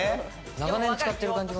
長年使ってる感じが。